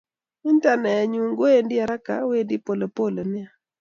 Intenet anyu komawendi haraka, wendi polepole nea.